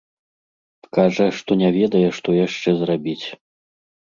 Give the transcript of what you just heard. Кажа, што не ведае, што яшчэ зрабіць.